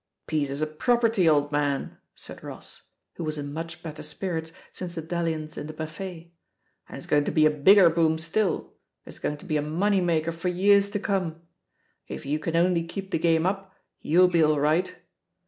"Piece is a property, old man,'' said Ross, who was in much better spirits since the dalliance in the buffet. "And it's going to be a bigger boom still, it's going to be a money maker for years to come. If you can only keep the game up, yoUf'U be aU right.